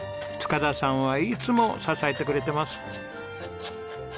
塚田さんはいつも支えてくれてます。